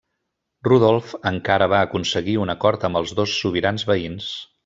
Rodolf encara va aconseguir un acord amb els dos sobirans veïns.